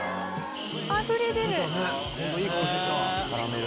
あふれ出る！